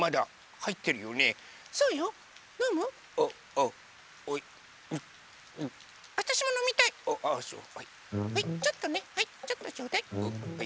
はいちょっとねはいちょっとちょうだい。